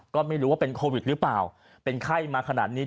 ก็ไม่รู้ว่าเป็นโควิดหรือเปล่าเป็นไข้มาขนาดนี้